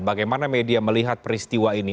bagaimana media melihat peristiwa ini